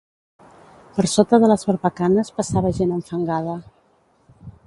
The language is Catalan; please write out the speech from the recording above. Per sota de les barbacanes passava gent enfangada.